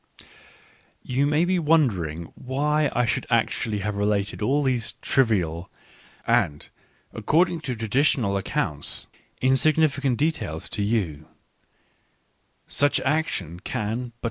10 You may be wondering why I should actually have related all these trivial and, according to tra ditional accounts, insignificant details to you ; such action can but.